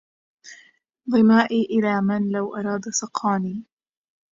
ظمائي إلى من لو أراد سقاني